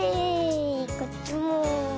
こっちも。